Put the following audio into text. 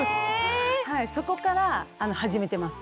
そこから始めてます。